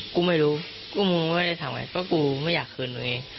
กูไม่รู้กูไม่ได้ถามอะไรก็กูไม่อยากคืนตัวเอง